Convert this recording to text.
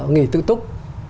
nghỉ tự túc